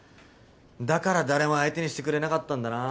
だから誰も相手にしてくれなかったんだな。